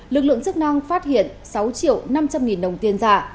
lực lượng chức năng phát hiện sáu triệu năm trăm linh nghìn đồng tiền giả